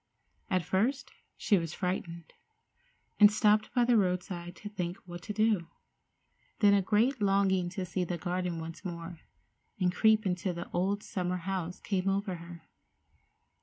At first she was frightened, and stopped by the roadside to think what to do. Then a great longing to see the garden once more, and creep into the old summer house, came over her.